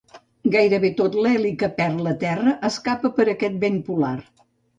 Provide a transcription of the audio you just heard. Gairebé tot l'heli que perd la Terra escapa per aquest vent polar.